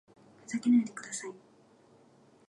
ふざけないでください